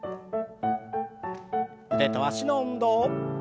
腕と脚の運動。